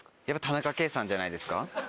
やっぱ田中圭さんじゃないですか？